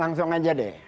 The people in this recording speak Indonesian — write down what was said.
langsung aja deh